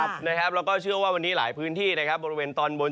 ครับนะครับเราก็เชื่อว่าวันนี้หลายพื้นธูบริเวณตอนโบนถึง